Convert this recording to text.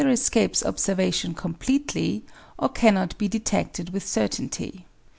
] 320 APPENDIX observation completely or cannot be detected with certainty.